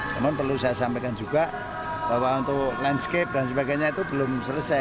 namun perlu saya sampaikan juga bahwa untuk landscape dan sebagainya itu belum selesai